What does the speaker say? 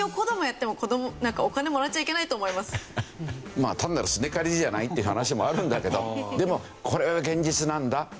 まあ単なるすねかじりじゃないっていう話もあるんだけどでもこれが現実なんだという。